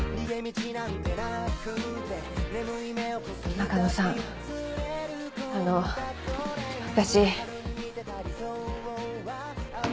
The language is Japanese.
中野さんあの私。